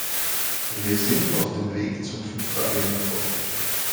Wir sind auf dem Weg zum Fünftage-Mittwoch.